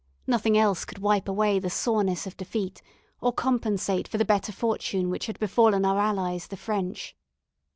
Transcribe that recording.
Nothing else could wipe away the soreness of defeat, or compensate for the better fortune which had befallen our allies the French.